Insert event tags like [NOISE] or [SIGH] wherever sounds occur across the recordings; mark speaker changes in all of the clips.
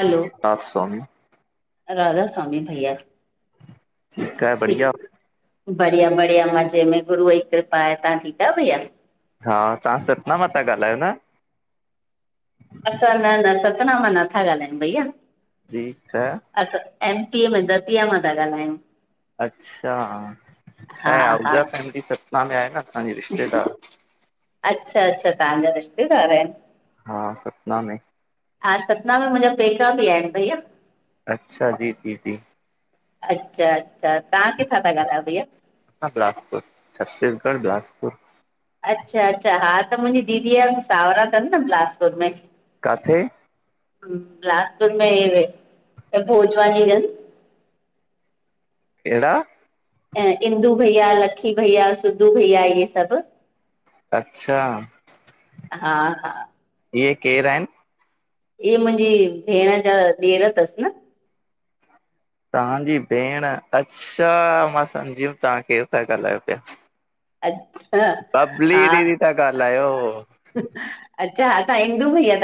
Speaker 1: हलो
Speaker 2: [UNINTELLIGIBLE] स्वामी
Speaker 1: राधा स्वामी भैया,
Speaker 2: ठीकु आहे बढ़िया
Speaker 1: ठीक बढ़िया, बढ़िया मज़े में, गुरूअ जी कृपा आहे, तव्हां ठीकु आहे भईया?
Speaker 2: हा तव्हां सतना मां था ॻाल्हायो न?
Speaker 1: असां न, न सतना मां नथा ॻाल्हायूं भैया।
Speaker 2: जी, त
Speaker 1: अ स एमपी में दतिया मां था ॻाल्हायूं।
Speaker 2: अच्छा,
Speaker 1: हा
Speaker 2: छाए
Speaker 1: हा
Speaker 2: आहूजा फैमली सतना में आहे न असांजे रिश्तेदार।
Speaker 1: अच्छा, अच्छा, तव्हांजा रिश्तेदार आहिन।
Speaker 2: हा सतना में।
Speaker 1: हा, सतना में मुंहिंजा पेका बि आहिन, भैया।
Speaker 2: अच्छा जी दीदी
Speaker 1: अच्छा, अच्छा, तव्हां किथां था ॻाल्हायो भैया?
Speaker 2: मां, बिलासपुर, छत्तीसगढ़ बिलासपुर।
Speaker 1: अच्छा अच्छा हा त मुंहिंजी दीदी जा भी सावरा थनि न बिलासपुर में।
Speaker 2: काथे?
Speaker 1: बिलासपुर में ही भोजवाानी रहन
Speaker 2: हेहिड़ा
Speaker 1: अ इंदू भईया, लखी भईया, सिधू भईया इहे सभु।
Speaker 2: अच्छा,
Speaker 1: हा हा
Speaker 2: इये केर आहिन?
Speaker 1: इ मुंहिंजी भेण जा ॾेर थस न।
Speaker 2: तव्हांजी भेण, अच्छा मां सम्झी वियुमि तव्हां केरु था ॻाल्हायो पिया।
Speaker 1: अच्छा
Speaker 2: बबली
Speaker 1: हा
Speaker 2: दीदी था ॻाल्हायो।
Speaker 1: अच्छा असां इंदू भइया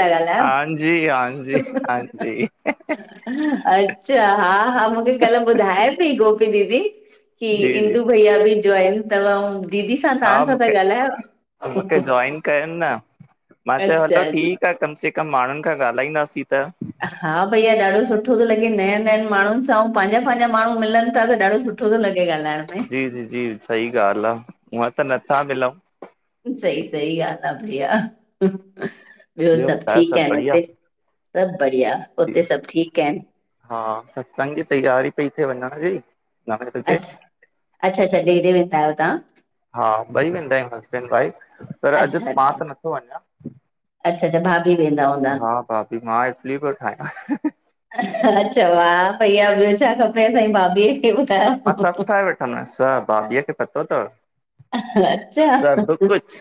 Speaker 2: हां जी, हां जी, हां जी
Speaker 1: अच्छा, हा, हा मूंखे कल्ह ॿुधाए पई गोपी दीदी की
Speaker 2: हां जी जी जी
Speaker 1: इंदू भईया बि जॉइन थव ऐं दीदी सां
Speaker 2: हा
Speaker 1: तव्हां सां त
Speaker 2: मूंखे
Speaker 1: ॻाल्हायो।
Speaker 2: मूंखे जॉइन कयनि न मां चवां
Speaker 1: अच्छा
Speaker 2: तो ठीक आ कम से कम माण्हुन खां ॻाल्हाईंदासीं त।
Speaker 1: हा भईया ॾाढो सुठो थो लॻे नए नयन माण्हुनि सां ऐं पंहिंजा पंहिंजा माण्हू मिलन था त ॾाढो सुठो सुठो तो लॻे ॻालाएण।
Speaker 2: जी जी जी सही ॻाल्हि आ हूअं त नथा मिलउं।
Speaker 1: सही सही ॻाल आ भईया। ॿियो सब
Speaker 2: ॿुधायो
Speaker 1: ठीक
Speaker 2: सभु
Speaker 1: आहिन
Speaker 2: बढ़िया
Speaker 1: हुते सब बढ़िया उते सब ठीक आहिन?
Speaker 2: हा सत्संग जी तयारी पई थिए वनयण जी। नवे बजे
Speaker 1: अच्छा अच्छा अच्छा डेेरे वेंदा आहियो तव्हां?
Speaker 2: हा ॿई वेंदा आहियूं हसबैंड वाइफ़।
Speaker 1: अच्छा अच्छा अच्छा अच्छा भाभी वेंदा हुनदा?
Speaker 2: हा भाभी मां इफली पियो ठाहियां।
Speaker 1: अछा वाह भईया ॿियो छा खपे अ साई भाभीअ खे ब।
Speaker 2: मां सब ठाहे वठन्दो आया सब भाभीअ खे पतो तव।
Speaker 1: अच्छा
Speaker 2: सभु कुछ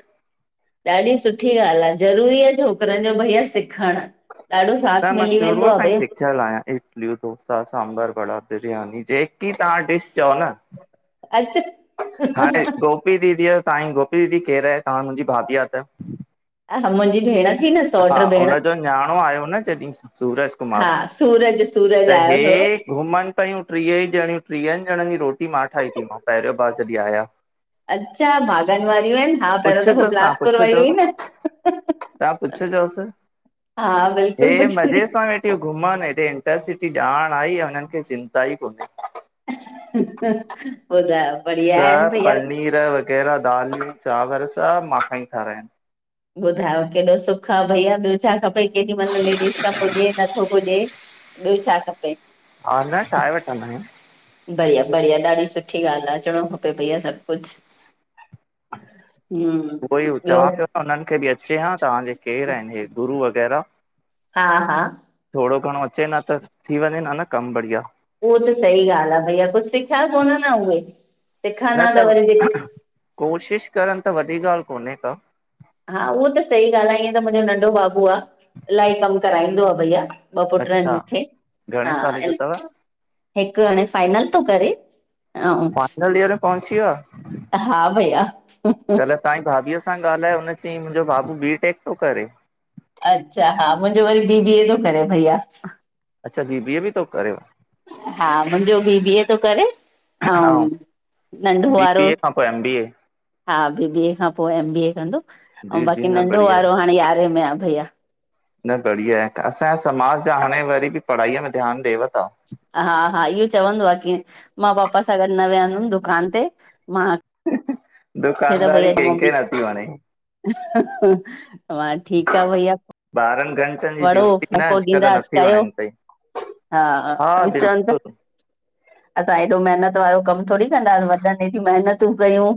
Speaker 1: ॾाढी सुठी ॻाल्हि आहे ज़रूरी आहे छोकरन जो भईया सिखण।
Speaker 2: न मां शुरूअ खां ई सिखयल आहियां। इडली डोसा सांभर वड़ा बिरयानी जेकी तव्हां डिश चओ न
Speaker 1: अच्छा
Speaker 2: हाणे गोपी दीदी साईं गो दीदी केर आहे तव्हां मुंहिंजी भाभी आहे त?
Speaker 1: हा मुंहिंजी भेण। थी न
Speaker 2: हा
Speaker 1: सौट भेण
Speaker 2: हुनजो न्याणो आयो न जॾहिं सूरज कुमार
Speaker 1: हा सूरज सूरज
Speaker 2: त
Speaker 1: आयो
Speaker 2: हे
Speaker 1: हुयो,
Speaker 2: घुमन पयूं टीह ई ॼणियूं टीयन ॼणन जी रोटी मां ठाही तिमांव पहरयों बार जॾहिं आयां।
Speaker 1: अच्छा बाॻन वारियूं आहिन हा पहरयों दफ़ो
Speaker 2: पुछजोसि तव्हां
Speaker 1: बिलासपुर वई हुई न
Speaker 2: पुछ जोस
Speaker 1: हा
Speaker 2: हे
Speaker 1: बिल्कुलु
Speaker 2: मज़े
Speaker 1: पुछंदी
Speaker 2: सां वेठ त घुमन हेॾे इंटरसिटी ॼाण आई ऐं हुनन खे चिंता ई कोन्हे।
Speaker 1: हो त बढ़िया आहिन भईया
Speaker 2: गर वग़ैरह दालूं चांवर सब मांखा ही ठा रायन
Speaker 1: ॿुधायो केॾो सुख आ भईया ॿियो छा खपे केॾी महिल लेडीस खां पुॾे ही नथो पूॾये ॿियो छा खपे?
Speaker 2: ऑनलाइन ठाहे वठन्दा आयूं।
Speaker 1: बढ़िया बढ़िया ॾाढी सुठी ॻाल्हि आ अचणो खपे भैया सब कुछ।
Speaker 2: [INAUDIBLE]
Speaker 1: हम्म ॿियो।
Speaker 2: हुनन खे बि अचे हा तव्हांजे केर आहिन हे गुरु वग़ैरह।
Speaker 1: हा हा
Speaker 2: थोड़ो घणो अचेन त थी वनयेन कम बढ़िया
Speaker 1: उहो त सही ॻाल्हि आ भैया कुछ सिखया कोन न उहे। सिखनि
Speaker 2: न
Speaker 1: हा
Speaker 2: त
Speaker 1: वरी दि
Speaker 2: कोशिश करन त वॾी ॻाल्हि कोन्हे का।
Speaker 1: हा उहो त सही ॻाल्हि आहे ईअं त मुंहिंजो नंढो बाबू आहे र्इलाही कम कराईंदो आहे भईया। ॿ पुट आहिन
Speaker 2: अच्छा
Speaker 1: मूंखे
Speaker 2: घणे
Speaker 1: हा
Speaker 2: साले जो अथव
Speaker 1: हिक हाणे फाइनल तो करे। ऐं
Speaker 2: फाइनल इयर पहुची वया
Speaker 1: हा भैया
Speaker 2: कल्ह तव्हांजी भाभीअ सां ॻाल्हायो हुन चयईं मुंहिंजो बाबू बी टेक तो करे
Speaker 1: अच्छा हा मुंहिंजो वरी बी बी ए तो करे भैया।
Speaker 2: अच्छा बी बी ए भी तो करेव?
Speaker 1: हा मुंहिंजो भी बी ए थो करे। ऐं नंढो
Speaker 2: बी
Speaker 1: वारो?
Speaker 2: बी ए खां पोइ एम बी ए
Speaker 1: हा बी बीए खां पोइ एम बी ए कंदो, ऐं
Speaker 2: जी जी
Speaker 1: बाक़ी
Speaker 2: न
Speaker 1: नंढो
Speaker 2: बढ़िया आहे,
Speaker 1: वारो हाणे यारहें में आ भैया।
Speaker 2: न बढ़िया आहे। असांजे समाज जा हाणे वरी बि पढ़ाईअ में ध्यानु ॾिव था।
Speaker 1: हा- हा इहो चवंदो आहे की मां पापा सां गॾु न वेहंदमि दुकान ते मां
Speaker 2: ह
Speaker 1: भ अॼ ममी मां ठीकु आहे भया [INAUDIBLE]
Speaker 2: ॿारहनि घनि
Speaker 1: पढो, मोको ॾींदास कयो,
Speaker 2: पई
Speaker 1: हा चले चविन था असां एॾो महिनत वारो कमु थोरी कंदासीं, वॾन हेॾी महिनतूं कयूं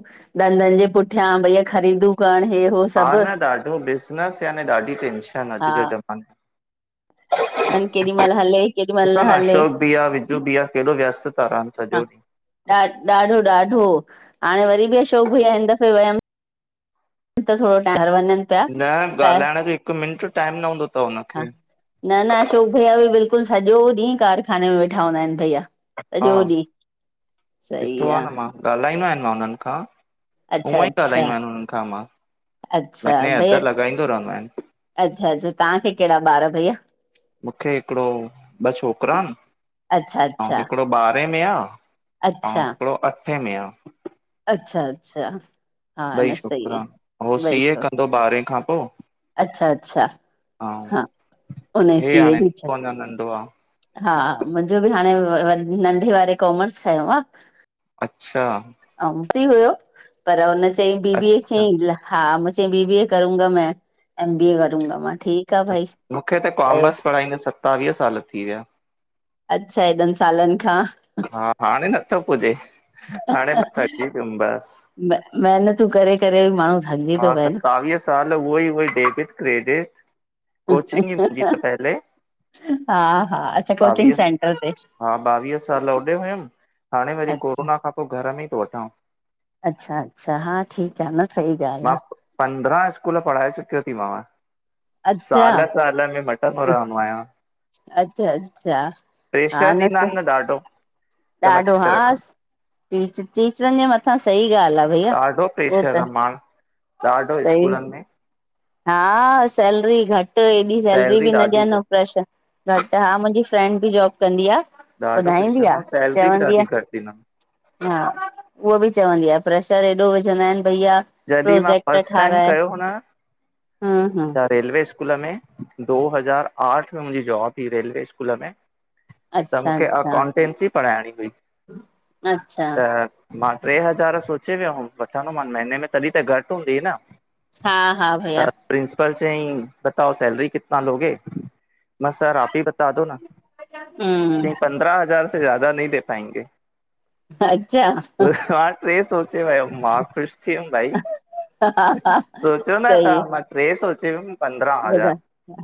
Speaker 1: धदनि जे पुठियां भईया ख़रीदू करणु हे हो
Speaker 2: हा
Speaker 1: सभु
Speaker 2: न ॾाढो बिज़नेस याने ॾाढी टेंशन
Speaker 1: हा
Speaker 2: अॼु ज ज़माने में
Speaker 1: हन केॾी महिल हले केॾी महिल
Speaker 2: ॾिसो न
Speaker 1: हले
Speaker 2: अशोक भिइया, विजू भिइया केडो व्यस्त था रहिन आ
Speaker 1: हा
Speaker 2: सॼो ॾींहुं।
Speaker 1: ॾा ॾाढो -ॾाढो हाणे वरी बि अशोक भिइया हिन दफ़े वियमि त थोरो टाहर वञन
Speaker 2: न ॻाल्हाइण जो हिक मिंट टाइम न हूंदो तव
Speaker 1: हा
Speaker 2: हुनखे।
Speaker 1: न न अशोक भईया बि बिल्कुल सॼो ॾींह कारखाने में वेठा हूंदा आहिन भैया
Speaker 2: हा
Speaker 1: सॼो ॾींह
Speaker 2: ॾिठो आ न मां ॻाल्हाईंदो आहिन मां हुनन खां, हूअं
Speaker 1: अच्छा
Speaker 2: ई
Speaker 1: अच्छा
Speaker 2: ॻाल्हाईंदो आहिन हुनन खां मां
Speaker 1: अच्छा
Speaker 2: महीने अध
Speaker 1: भईया
Speaker 2: लगाईंदो रहंदो आया।
Speaker 1: अच्छा -अच्छा तहांखे केड़ा ॿार भैया?
Speaker 2: मूंखे हिकड़ो ॿ छोकिरा
Speaker 1: अच्छा
Speaker 2: अऊं
Speaker 1: अच्छा
Speaker 2: ऐ हिकड़ो ॿारे में आ ऐं
Speaker 1: अच्छा
Speaker 2: हिकड़ो अठे में आ
Speaker 1: अच्छा -अच्छा हा
Speaker 2: ॿई
Speaker 1: न सही
Speaker 2: छोकरा, हो सी ए कंदो ॿारहें खां पो
Speaker 1: अच्छा-अच्छा हा उन
Speaker 2: हे
Speaker 1: सी ए
Speaker 2: हाणे
Speaker 1: जी
Speaker 2: अञा नंढो आहे
Speaker 1: हा मुंजो बि हाणे नंढे वारे कॉमर्स खयों आ
Speaker 2: अच्छा
Speaker 1: फ्री हुयो पर हुन चईं बीबीअ
Speaker 2: अच्छा
Speaker 1: खे ई हा मुे चई बी- बी ए करूगा में एम बी ए करूगा। मां ठीक
Speaker 2: मूंखे त कॉमर्स पढ़ाईंदा सतावीह साल थी विया
Speaker 1: अच्छा हेएॾन सालन खां
Speaker 2: हा हाणे नथो पुजेे, हाणे मां थकजी प्युम बस
Speaker 1: म महिनतूं करे -करे बि माण्हू थकिजी तो
Speaker 2: हा
Speaker 1: पए न
Speaker 2: सतावीह साल उह ई उहो डेबिट- क्रेडिट कोचिंग ई मुंजी त पहले
Speaker 1: हा हा अच्छा कोचिंग
Speaker 2: बावीह
Speaker 1: सेंटर ते
Speaker 2: हा बावीह साल होॾे हुयम हाणे वरी
Speaker 1: अच्छा
Speaker 2: कोरोना खां पो घर में ई थो वठां।
Speaker 1: अच्छा -अच्छा हा ठीक आ न सही ॻाल्हि
Speaker 2: मां
Speaker 1: आहे
Speaker 2: पंद्रहां स्कूल पढ़ाए चुकयो ती मांव।
Speaker 1: अच्छा
Speaker 2: साल -साल मे मटनदो रहंदो आयां।
Speaker 1: अच्छा- अच्छा हा न
Speaker 2: ॾींदा
Speaker 1: त
Speaker 2: आहिनि ॾाढो त मां
Speaker 1: ॾाढो
Speaker 2: छॾे रखां
Speaker 1: हास टीच टीचरन जे मथां सही ॻाल आ भईया
Speaker 2: ॾाढो
Speaker 1: उहो
Speaker 2: प्रेशर
Speaker 1: त
Speaker 2: आ, माण ॾाढो
Speaker 1: सही
Speaker 2: स्कूलन में
Speaker 1: हा सैलरी घट, एॾी सैलरी बि न
Speaker 2: ॾाढी
Speaker 1: ॾियन ऐ
Speaker 2: घटि
Speaker 1: प्रैशर घट हा मुंजी फ्रेंड बि जॉब कंदी आ।
Speaker 2: ॾाढो
Speaker 1: ॿुधाईंदी
Speaker 2: प्रेशर
Speaker 1: आ
Speaker 2: ऐं सैलरी बि
Speaker 1: चवंदी आ
Speaker 2: ॾाढी घट ईंदम।
Speaker 1: हा उह बि चवंदी आ प्रेशर एॾो विझंदा आहिन भईया।
Speaker 2: जॾहिं मां
Speaker 1: प्रोजेक्ट
Speaker 2: फस्ट टाइम कयो हो न
Speaker 1: हम्म हम्म
Speaker 2: त रेलवे स्कूल में दो हज़ार आठ में मुंजी जॉब हुइ रेलवे स्कूल में। त
Speaker 1: अच्छा
Speaker 2: मूंखे
Speaker 1: अच्छा
Speaker 2: अकाउंटेंसी पढ़ाइणी हुई
Speaker 1: अच्छा
Speaker 2: त मां ट्रे हज़ार सोचे वयो हुम वठंदोमान महिने में तॾहिं त घट हूंदी ही न।
Speaker 1: हा हा भैया
Speaker 2: त प्रिंसिपल चई बताओ सैलरी कितना लोगे? मां, सर आप ही बाता दो न
Speaker 1: हूं
Speaker 2: चई पंद्रह हज़ार से ज़्यादा नहीं दे पाएंगे
Speaker 1: अच्छा
Speaker 2: बुधायो हाण ट्रे सोचे वयम मां ख़ुश थी वयूम भाई
Speaker 1: हा हा
Speaker 2: सोचयो न
Speaker 1: सही
Speaker 2: त्हां ट्रे सोचे वयुम
Speaker 1: ॿुधाए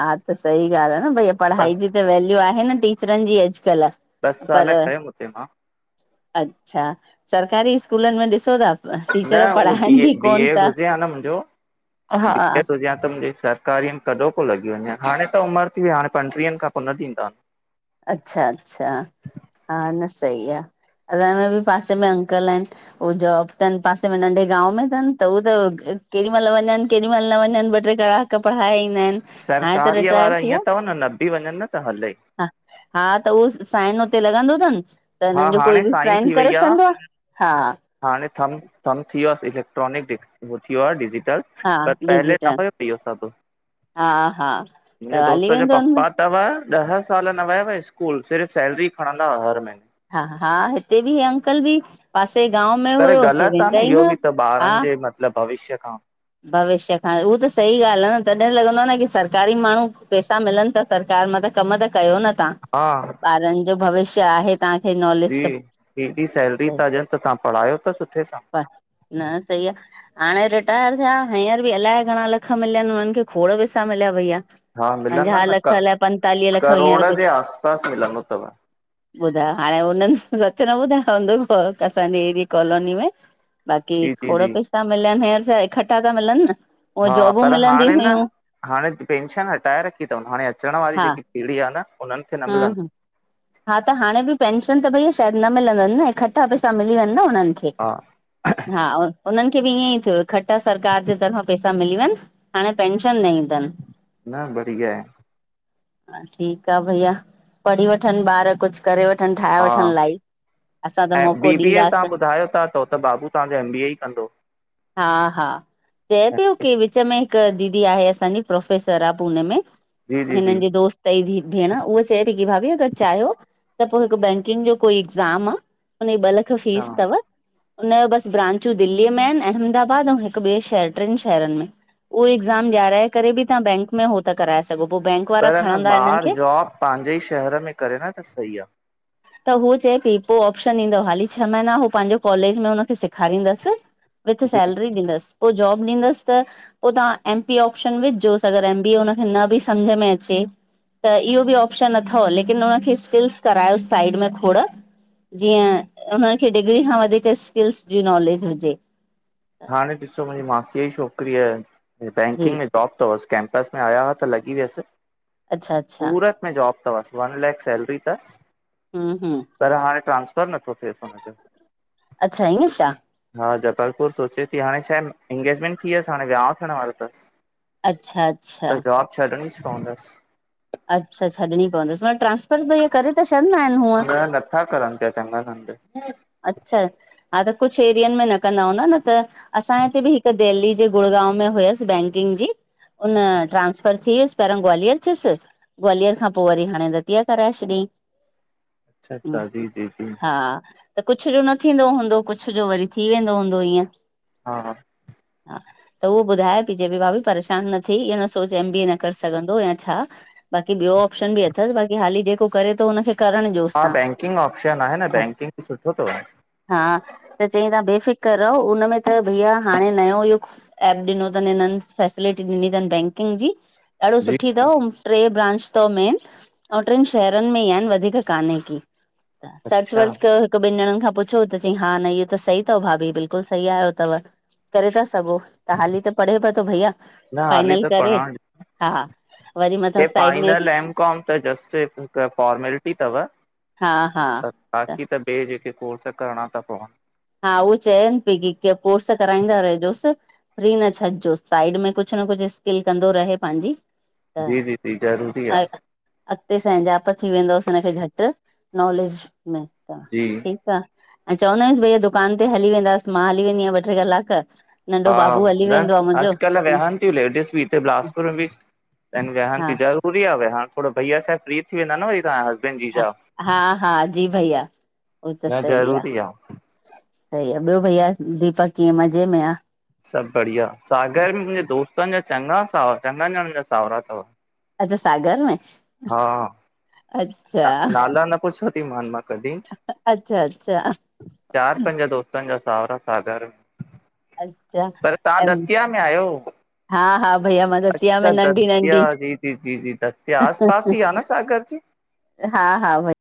Speaker 1: हा त सही ॻाल आ न भई पढ़ाई
Speaker 2: बस
Speaker 1: जी त वैल्यू आहे न टीच चिरन जी अॼुकल्ह।
Speaker 2: दस साल
Speaker 1: पर
Speaker 2: कयम हुते मां।
Speaker 1: अच्छा सरकारी स्कूलन में ॾिसो ता
Speaker 2: न उहो बीए बी एड हुजे हा न मुंजो बी एड हुजे हा त मुंजे सर कार्यम कॾो को लॻी वञे हा हाणे त उम्र थी वइ आहे हाणे पंटीहनि खां पोइ न ॾींदा
Speaker 1: अच्छा अच्छा हा न सही आहे असांजे बि पासे में अंकल आहिंन उ जॉब थनि पासे में नंढे गांव में थनि त उ त केॾी महिल वञनि केॾी महिल न वञनि ॿ टे कलाक त पढ़ाए ईंदा आहिंन।
Speaker 2: सरकारीअ वारा ईअं अथव न नबि वञन त हले।
Speaker 1: हा हा त उहो साइन हुते लॻंदो अथन त
Speaker 2: हा
Speaker 1: हिनन जो कोई
Speaker 2: हाणे
Speaker 1: बि साइन
Speaker 2: थी
Speaker 1: करे
Speaker 2: वई
Speaker 1: छॾींदो आहे हा।
Speaker 2: हाणे थम थम् थी वियोसि इलेक्ट्रॉनिक डि उो थी वियो आहे डिजिटल
Speaker 1: हा
Speaker 2: पर पहले
Speaker 1: डिजिटल
Speaker 2: पापा ॼो पियो सबु
Speaker 1: हा हा त
Speaker 2: मुंहिंजे
Speaker 1: हली
Speaker 2: दोस्त जो
Speaker 1: वेंदो हुनमें
Speaker 2: पप्पा त वह ॾह साल न वयव स्कूल सिर्फ़ सैलरी खणंदाआ हर महीने।
Speaker 1: हा हा हिते बि अंकल बि पासे गांव में
Speaker 2: पर
Speaker 1: हुयो सो वेंदा ई न हा।
Speaker 2: ल भविष्य खाॉं
Speaker 1: भविष्य खां उहा त सही ॻाल्हि आहे न तॾहिं लॻंदो आहे न की सरकारी माण्हू पैसा मिलन ता सरकार मां त कम त कयो न तहां।
Speaker 2: हा
Speaker 1: ॿारन जो भविष्य आहे तहांखे नाँले
Speaker 2: जी हेॾी सैलरी था ॾियनि त तव्हां पढ़ायो त सुठे सां
Speaker 1: न सही आहे हाणे रट रिटायर थिया हींअर बि अलाए घणा लख मिलिया आहिन हुनन खे खोड़ पैसा मिलिया भईया
Speaker 2: हा मिलंदा
Speaker 1: पंझा
Speaker 2: न
Speaker 1: लख
Speaker 2: क
Speaker 1: अलाइ पंतालीह लख हींअर
Speaker 2: करोड़
Speaker 1: कुझ
Speaker 2: जे आस पास मिलंदो तव।
Speaker 1: ॿुधायो हाणे हुननि सच न ॿुधायो हुंदन असांजे हेॾी कॉलोनी में बाक़ी
Speaker 2: जी जी
Speaker 1: खोॾं
Speaker 2: जी
Speaker 1: पैसा मिलनि हींअर छा इक्कठा ता मिलन न उअ
Speaker 2: हा
Speaker 1: जॉबूं
Speaker 2: पर
Speaker 1: मिलंदी
Speaker 2: हाणे न
Speaker 1: हुयूं
Speaker 2: हाणे पेंशन हटाए रखी अथनि हाणे अचण वारी
Speaker 1: हा
Speaker 2: जेकी पीढड़ी आहे न हुनन खे न
Speaker 1: हा
Speaker 2: मिलन्द
Speaker 1: हा हा त हाणे बि पेंशन त भईया शायिद न मिलंदन न इकट्ठा पैसा मिली वेंञ न हुननि खे
Speaker 2: हा
Speaker 1: हा, हु हुनन खे बि इअंइ थियो इक्कठा सरकार जे तरफ़ां पैसा मिली वन, हाणे पेंशन न इंदी।
Speaker 2: न बढ़िया आहे।
Speaker 1: हा ठीक आ भईया, पढ़ी वठन ॿार, कुझ करे वठन, ठाहे वठन
Speaker 2: हा
Speaker 1: लाइफ। असां त
Speaker 2: ऐं
Speaker 1: मौक़ो
Speaker 2: बीबीए ताहां
Speaker 1: ॾींदासीं
Speaker 2: ॿुधायो ता त हो बाबू ताहांजो एमबीए ई कंदो।
Speaker 1: हा हा चए प्यो की विच में हिक दीदी आहे असांजी प्रोफेसर आ पूने में हिनन जी दोस्त तई भेण उह चए पई की भाभी अगर चाहयो त पो हिक बैंकिंग जो कोई एग्ज़ाम आ हुनजी ॿ लख
Speaker 2: अच्छा
Speaker 1: फीस तव हुनजो बस ब्रांचू दिल्लीअ में आहिन, अहमदाबाद ऐं हिकु ॿे शहर ट्रिन शहरन में। उहो एग्ज़ाम ॾयाराए करे बि तव्हां बैंक में हो त कराए सघो पो बैंक वारा खणंदा हिनन खे।
Speaker 2: पांॼे इ शहर में करे न त सही आ।
Speaker 1: त हूऔ चए पई पो ऑप्शन ईंदो हाली छह महीना हू पांजो कॉलेज में हुनखे सेखारीन्दस विथ
Speaker 2: जी
Speaker 1: सैलरी ॾींदस पो जॉब ॾींदस त पो ताहां एमपी ऑप्शन विझ जोस अगर एमबीए हुनखे न बि समझ में अचे। त इहो बि ऑप्शन अथव लेकिन हुनखे स्किल्स करायोस साइड में खोड़। जीअं हुन खे डिग्री खां वधीक स्किल्स जी नॉलेज हुजे।
Speaker 2: हाणे ॾिसो मुंजी मासीअ जी छोकिरअ हे
Speaker 1: जी
Speaker 2: बैंकिंग में टॉप तवस कैंपस में आया हा त लॻी व्यस
Speaker 1: अच्छा अच्छा
Speaker 2: सूरत में जॉब तवस वन लैक सैलरी तस।
Speaker 1: हम्म हम्म।
Speaker 2: पर हाणे ट्रांसफर नथो थेस।
Speaker 1: अच्छा ईअ छा?
Speaker 2: हा जबलपुर सोचे ती हाणे छा आहे इंगेॼमेंट थी व्यस हाणे व्याहव थ्यण वारो तस।
Speaker 1: अच्छा अच्छा!
Speaker 2: छॾणी पवंदस।
Speaker 1: अच्छा छॾणी पवंदस ट्रांसफर भई करे त छॾंदा आहिन?
Speaker 2: न नथा करन प्या चङा कन।
Speaker 1: अच्छा हा त कुछ एरियन में न कंदा हूंदा न त असांजे हिते बि हिक दिल्ली जे गुड़गांव में हुयस बैंकिंग जी उन ट्रांसफर थियुस पहिरियों ग्वालियर थियुस ग्वालियर खां पो वरी हाणे दतिया कराए छॾयईं।
Speaker 2: अच्छा अच्छा जी जी जी
Speaker 1: हा। त कुछ जो न थींदो हूंदो कुछ जो वरी थी वेंदो हूंदो ईअं।
Speaker 2: हा हा।
Speaker 1: हा। त उहो ॿुधाए पइ चै भाभी परेशान न थी इअ न सोच एम बी न करे सघंदो या छा बाक़ी ब्यो ऑप्शन भी अथस बाक़ी हाली जेको करे तो हुनखे करण
Speaker 2: हा बैंकिंग ऑपशन आहे न, बैंकिंग भी सुठो तव।
Speaker 1: हा, त चईं ताहां बेफिकर रहो हुन में त भईया हाणे नयो युग एप ॾिनो तन हिनन फसेलिटी ॾिनी तन बैंकिंग जी ॾाढो
Speaker 2: जी
Speaker 1: सुठी तव ट्रे ब्रांच तव मेन, अउ ट्रिन शहरन में ई आहिन वधीक काने की सर्च
Speaker 2: अच्छा
Speaker 1: वर्च कयो हिक ॿिन ॼणन खां पुछो त चई हा न इहो त सही तव भाभी बिल्कल सही आयो तव। करे ता सघो त हाली त पढ़े पयो तो भईया।
Speaker 2: न हाली
Speaker 1: फाइनल
Speaker 2: त
Speaker 1: करे,
Speaker 2: पढ़ण
Speaker 1: हा, वरी मता साइड में
Speaker 2: बी कॉम त जस्ट हिक फॉर्मेलिटी तव।
Speaker 1: हा हा।
Speaker 2: बाकी त ॿिए जेके कोर्स करणा था पवन।
Speaker 1: हा उहो चयनि पई की के कोर्स कराईंदा रहिजोस। फ्री न छॾिजो साइड में कुछन कुछ स्किल कंदो रहे पांहिंजी। त
Speaker 2: जी जी जी ज़रूरी आ
Speaker 1: हा। अॻते संजाप थी वेंदोस झटि नॉलेज में त
Speaker 2: जी
Speaker 1: ठीक आ ऐं चवंदा आहियूं भई दुकान ते हली वेंदास मां हली वेंदी आहियां ॿ टे् कलाक। नंढो बाबू हली वेंदो आहे मुहिंजो।
Speaker 2: लेडिंस भी बिलासपुर में भी त वेहान
Speaker 1: हा
Speaker 2: थी जा। सूरीया आहे हाणे थोर भैया सा फ्री थी वेंदा न व तव्हांजे हसबैंड
Speaker 1: हा
Speaker 2: जीजा।
Speaker 1: हा हा जी भईया उह त
Speaker 2: न
Speaker 1: सही आ।
Speaker 2: ज़रूरी
Speaker 1: सही आहे ॿयो भईया दीपक कीअं मज़े में आ।
Speaker 2: सभ बढ़िया सागर में मुहिंजे दोस्तन जा चञा सावर चङन ॼणनि जा सावरा अथव।
Speaker 1: अच्छा सागर में।
Speaker 2: हा
Speaker 1: अच्छा
Speaker 2: नाला न पूछयाती मान मां कॾी।
Speaker 1: अच्छा अच्छा।
Speaker 2: चार पंज दोस्तनि जा सावरा सागर।
Speaker 1: अच्छा
Speaker 2: पर तव्हां
Speaker 1: ऐं
Speaker 2: दतिया में आहियो।
Speaker 1: हा हा। भइया मां त दतिया में
Speaker 2: अच्छा
Speaker 1: नंढी
Speaker 2: दतिया
Speaker 1: नंढी।
Speaker 2: जी जी जी जी दतिया आस पास ई आ न सागर जी
Speaker 1: हा हा।